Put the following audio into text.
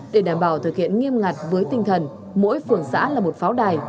để đảm bảo thực hiện nghiêm ngặt với tinh thần mỗi phường xã là một pháo đài